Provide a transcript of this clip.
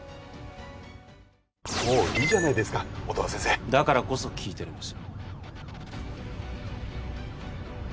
もういいじゃないですか音羽先生だからこそ聞いてるんです